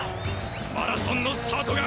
マラソンのスタートが。